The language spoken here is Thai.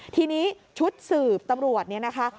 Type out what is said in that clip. ทีนี้ชุดสืบตำรวจเนี่ยนะคะ